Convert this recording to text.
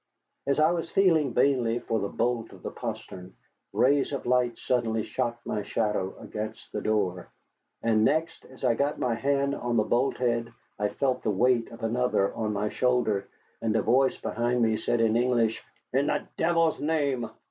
As I was feeling vainly for the bolt of the postern, rays of light suddenly shot my shadow against the door. And next, as I got my hand on the bolt head, I felt the weight of another on my shoulder, and a voice behind me said in English: "In the devil's name!"